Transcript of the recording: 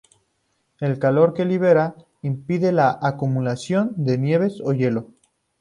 El calor que liberan, impide la acumulación de nieve o hielo.